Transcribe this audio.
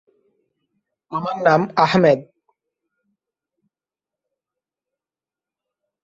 এটি টানেল, ইমারতের ভিত্তি বা ঢাল তৈরিতে প্রভাব ফেলে।